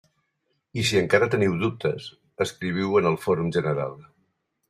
I si encara teniu dubtes, escriviu en el fòrum general.